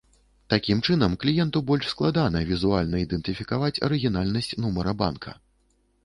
Такім чынам, кліенту больш складана візуальна ідэнтыфікаваць арыгінальнасць нумара банка.